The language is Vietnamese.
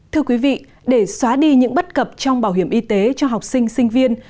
thưa quý vị để xóa đi những bất cập trong bảo hiểm y tế cho học sinh sinh viên